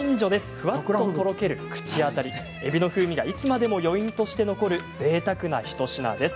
ふわっととろける口当たりえびの風味が余韻として残るぜいたくな一品です。